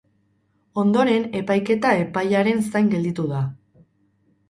Ondoren, epaiketa epaiaren zain gelditu da.